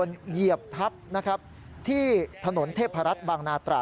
รถจักรยานยนต์เหยียบทัพที่ถนนเทพรัตน์บางนาตรา